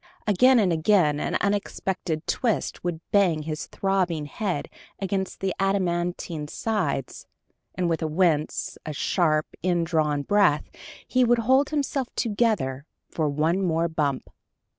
Again and again, an unexpected twist would bang his throbbing head against the adamantine sides, and with a wince, a sharp, in drawn breath, he would hold himself "together" for one more bump!